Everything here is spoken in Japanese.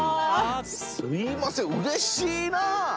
すみませんうれしいな！